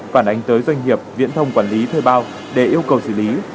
phản ánh tới doanh nghiệp viễn thông quản lý thuê bao để yêu cầu xử lý